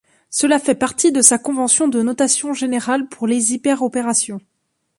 Cela fait partie de sa convention de notation générale pour les hyperopérations.